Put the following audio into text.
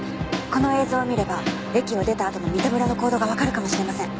この映像を見れば駅を出たあとの三田村の行動がわかるかもしれません。